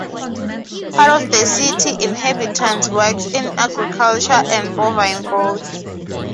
Part of the city inhabitants works in agriculture and bovine growth.